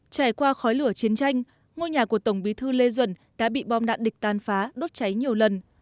trải qua khói lửa chiến tranh ngôi nhà của tổng bí thư lê duẩn đã bị bom đạn địch tàn phá đốt cháy nhiều lần